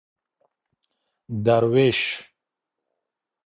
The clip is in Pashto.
دروېش